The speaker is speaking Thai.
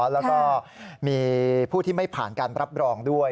แล้วก็มีผู้ที่ไม่ผ่านการรับรองด้วย